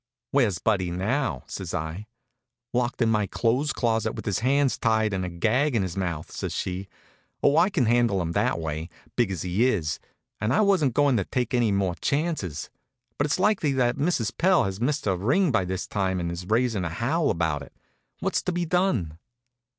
"Where's Buddy now?" says I. "Locked in my clothes closet, with his hands tied and a gag in his mouth," says she. "Oh, I can handle him that way, big as he is; and I wasn't going to take any more chances. But it's likely that Mrs. Pell has missed her ring by this time and is raising a howl about it. What's to be done?"